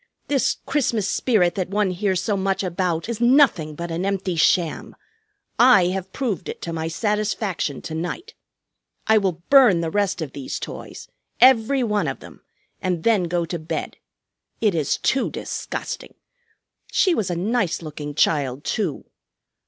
This Christmas spirit that one hears so much about is nothing but an empty sham. I have proved it to my satisfaction to night. I will burn the rest of these toys, every one of them, and then go to bed. It is too disgusting! She was a nice looking child, too.